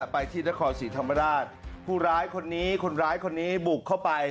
ไปที่นครศรีธรรมราชผู้ร้ายคนนี้คนร้ายคนนี้บุกเข้าไป